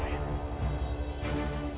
amin ya rabbal alamin